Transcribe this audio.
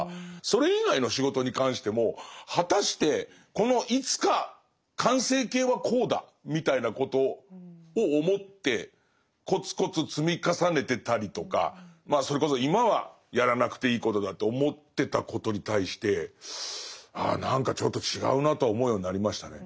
それ以外の仕事に関しても果たしてこのいつか完成形はこうだみたいなことを思ってコツコツ積み重ねてたりとかそれこそ今はやらなくていいことだと思ってたことに対して「ああ何かちょっと違うな」とは思うようになりましたね。